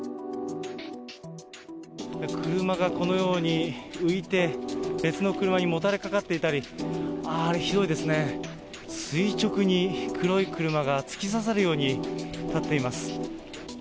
車がこのように浮いて別の車にもたれかかっていたり、あれひどいですね、垂直に黒い車が突き刺さるように立っています。